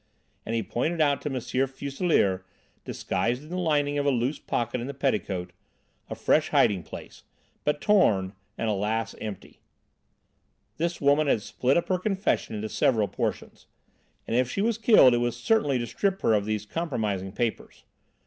And he pointed out to M. Fuselier, disguised in the lining of a loose pocket in the petticoat a fresh hiding place, but torn and alas! empty. This woman had split up her confession into several portions. And if she was killed it was certainly to strip her of these compromising papers.